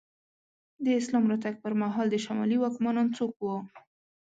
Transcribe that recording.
د اسلام راتګ پر مهال د شمالي واکمنان څوک وو؟